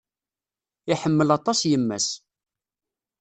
Iḥemmel aṭas yemma-s.